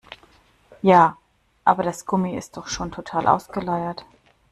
Ja, aber das Gummi ist doch schon total ausgeleiert.